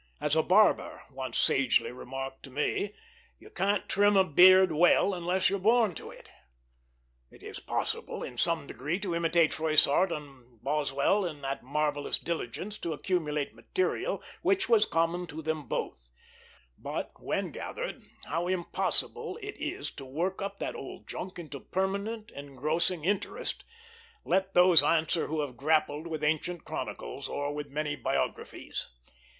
As a barber once sagely remarked to me, "You can't trim a beard well, unless you're born to it." It is possible in some degree to imitate Froissart and Boswell in that marvellous diligence to accumulate material which was common to them both; but, when gathered, how impossible it is to work up that old junk into permanent engrossing interest let those answer who have grappled with ancient chronicles, or with many biographies.